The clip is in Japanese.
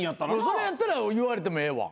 それやったら言われてもええわ。